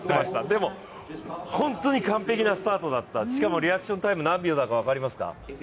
でも、本当に完璧なスタートだったしかもリアクションタイム、何秒だか分かりますか？